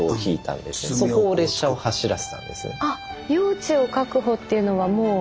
あっ用地を確保っていうのはもう。